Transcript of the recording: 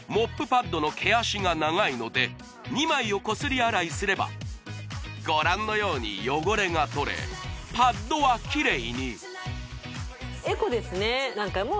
パッドの毛足が長いので２枚をこすり洗いすればご覧のように汚れがとれパッドはきれいにエコですね